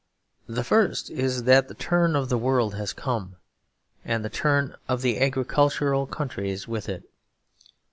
The first is that the turn of the world has come, and the turn of the agricultural countries with it.